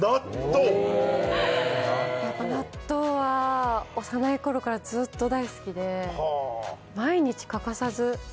納豆は幼いころからずっと大好きで。